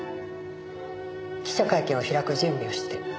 記者会見を開く準備をして。